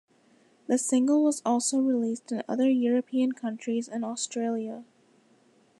The single was also released in other European countries and Australia.